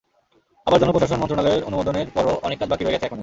আবার জনপ্রশাসন মন্ত্রণালয়ের অনুমোদনের পরও অনেক কাজ বাকি রয়ে গেছে এখনো।